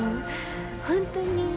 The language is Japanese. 本当に。